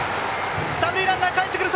三塁ランナーかえってくる。